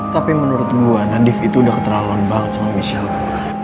tapi menurut gue nadief itu udah keterlaluan banget sama michelle tuh